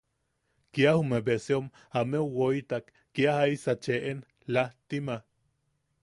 Kia jume beseom ameu woitak, kia jaisa cheʼen... laajtima.